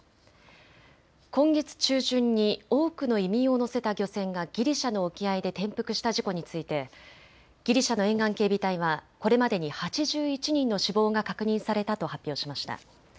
今月中旬に多くの移民を乗せた漁船がギリシャの沖合で転覆した事故についてギリシャの沿岸警備隊はこれまでに８１人の死亡が確認されたと発表しました。